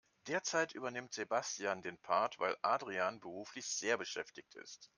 Derzeit übernimmt Sebastian den Part, weil Adrian beruflich sehr beschäftigt ist.